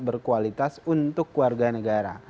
berkualitas untuk keluarga negara